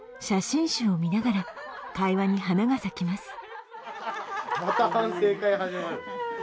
写真集を見ながら会話に花が咲きます。